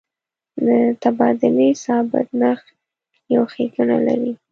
د تبادلې ثابت نرخ یو ښیګڼه لري.